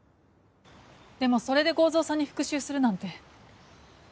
でもそれで剛蔵さんに復讐するなんて。